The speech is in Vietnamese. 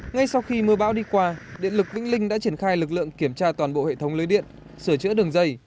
ngay sau khi mưa bão đi qua điện lực vĩnh linh đã triển khai lực lượng kiểm tra toàn bộ hệ thống lưới điện sửa chữa đường dây